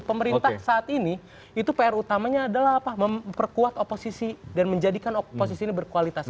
pemerintah saat ini itu pr utamanya adalah apa memperkuat oposisi dan menjadikan oposisi ini berkualitas